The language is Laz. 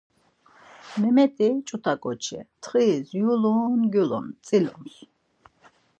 Memet̆i ç̌ut̆a koçi tğiriz yulun gulun tsilums.